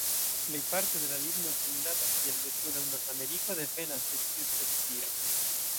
Plejparte de la ligno vendata kiel betulo en Nordameriko devenas de tiu specio.